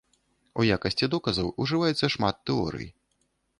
У якасці доказаў ужываецца шмат тэорый.